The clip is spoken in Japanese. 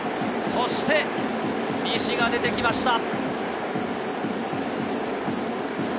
そして西が出てきました。